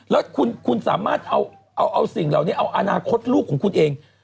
แล้วคุณสามารถเอาสิ่งเหล่านี้เอาอนาคตลูกของคุณเอง